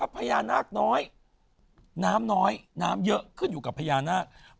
พญานาคน้อยน้ำน้อยน้ำเยอะขึ้นอยู่กับพญานาค